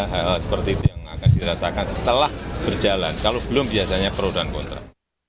hal hal seperti itu yang akan dirasakan setelah berjalan kalau belum biasanya pro dan kontra